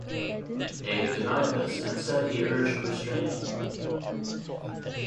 Haig denied this and said he urged restraint.